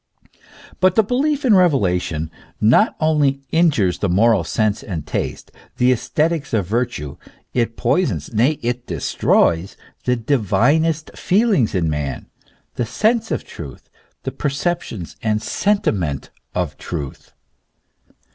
But the belief in revelation not only injures the moral sense and taste, the esthetics of virtue ; it poisons, nay it destroys, the divinest feeling in man the sense of truth, the perception and sentiment of truth.